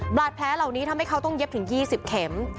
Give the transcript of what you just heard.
บาดแผลเหล่านี้ทำให้เขาต้องเย็บถึง๒๐เข็ม